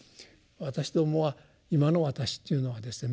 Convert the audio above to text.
私どもは今の私っていうのはですね